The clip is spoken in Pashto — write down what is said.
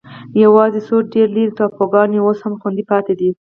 یوازې څو ډېر لرې ټاپوګان اوس هم خوندي پاتې دي.